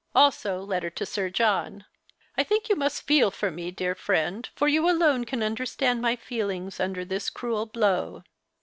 Also letter to Sir John. I think yon mnst feel for me, dear friend, for yon alone can nnderstand my feelings imder this crnel l)low."